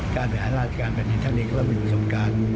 การบริหารราชการแบบนี้ท่านเองก็เป็นผู้สมการ